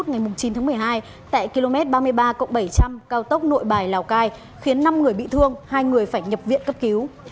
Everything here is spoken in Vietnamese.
ngày chín tháng một mươi hai tại km ba mươi ba bảy trăm linh cao tốc nội bài lào cai khiến năm người bị thương hai người phải nhập viện cấp cứu